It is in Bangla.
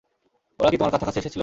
ওরা কি তোমার কাছাকাছি এসেছিল?